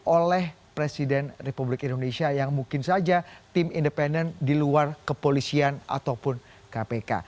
oleh presiden republik indonesia yang mungkin saja tim independen di luar kepolisian ataupun kpk